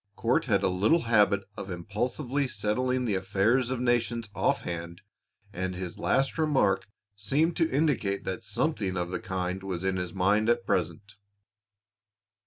Court had a little habit of impulsively settling the affairs of nations offhand, and his last remark seemed to indicate that something of the kind was in his mind at present.